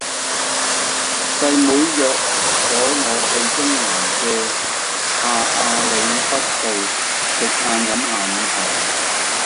細妹約左我去中環嘅下亞厘畢道食晏飲下午茶